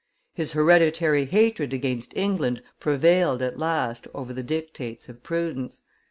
His hereditary hatred against England prevailed at last over the dictates of prudence.